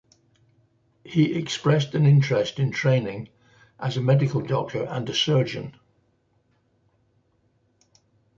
He expressed an interest in training as a medical doctor and a surgeon.